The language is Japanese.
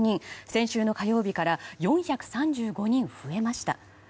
先週の火曜日から４３５人増えました。